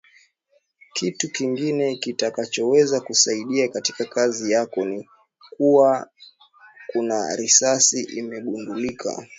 Kitu kingine kitakachoweza kukusaidia katika kazi yako ni kuwa kuna risasi imegundulika